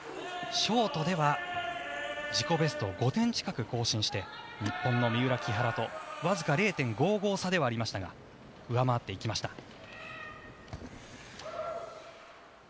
ショートでは自己ベストを５点近く更新して日本の三浦・木原とわずか０．５５差ではありましたが上回っていきました。